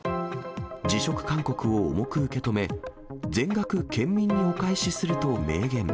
辞職勧告を重く受け止め、全額県民にお返しすると明言。